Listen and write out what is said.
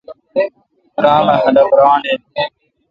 درام اؘ خلق ران این۔